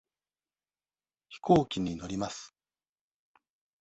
飛行機に乗ります。